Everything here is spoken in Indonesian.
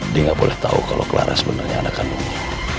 dia gak boleh tau kalau clara sebenarnya anak kandungnya